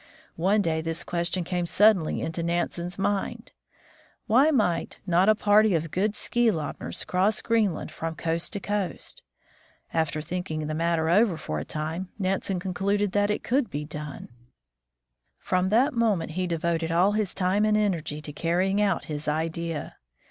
One day this question came suddenly into Nansen's mind : Why might not a party of good ski lobners cross Green land from coast to coast ? After thinking the matter over for a time, Nansen concluded that it could be done. From A Man on Ski. that moment he devoted all his time and energy to carry ing out his idea.